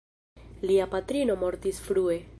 Lia patrino mortis frue.